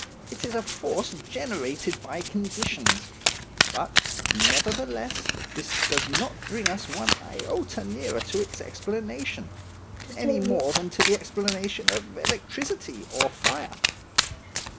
It is a force generated by conditions; but, nevertheless, this does not bring us one iota nearer to its explanation, any more than to the explanation of electricity or fire.